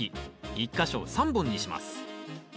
１か所３本にします。